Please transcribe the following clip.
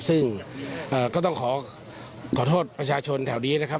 ซึ่งก็ต้องขอโทษประชาชนแถวนี้นะครับ